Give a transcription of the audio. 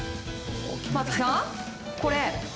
松木さん、これ。